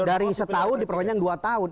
dari setahun diperpanjang dua tahun